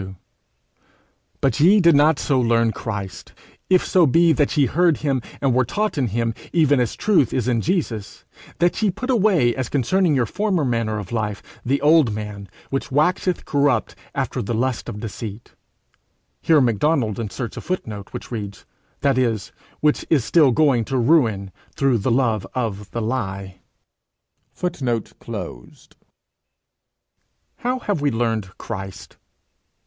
'_But ye did not so learn Christ; if so be that ye heard him, and were taught in him, even as truth is in Jesus: that ye put away, as concerning your former manner of life, the old man, which waxeth corrupt after the lusts of deceit._' [Footnote: That is, 'which is still going to ruin through the love of the lie.'] Eph. iv. 20 22. How have we learned Christ?